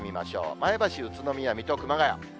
前橋、宇都宮、水戸、熊谷。